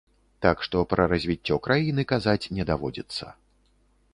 Так што пра развіццё краіны казаць не даводзіцца.